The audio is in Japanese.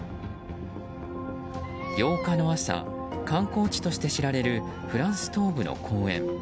８日の朝、観光地として知られるフランス東部の公園。